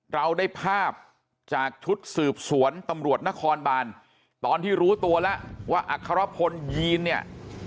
เราได้ภาพจากชุดสืบสวนตำรวจนครบานตอนที่รู้ตัวแล้วว่าอัครพลยีนเนี่ย